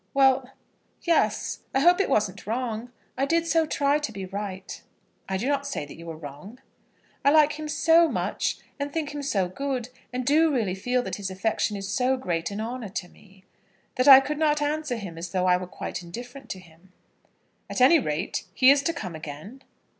"Well, yes. I hope it wasn't wrong. I did so try to be right." "I do not say you were wrong." "I like him so much, and think him so good, and do really feel that his affection is so great an honour to me, that I could not answer him as though I were quite indifferent to him." "At any rate, he is to come again?"